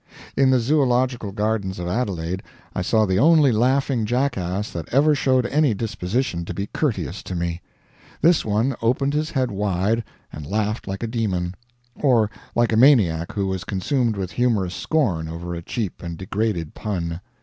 In the Zoological Gardens of Adelaide I saw the only laughing jackass that ever showed any disposition to be courteous to me. This one opened his head wide and laughed like a demon; or like a maniac who was consumed with humorous scorn over a cheap and degraded pun.